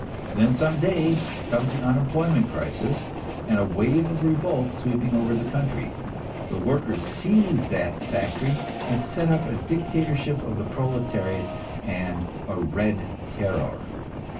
Then some day comes the unemployment crisis, and a wave of revolt sweeping over the country. The workers seize that factory and set up a dictatorship of the proletariat and a "red terror."